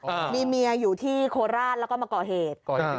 อ่ามีเมียอยู่ที่โคราชแล้วก็มาก่อเหตุก่อเหตุ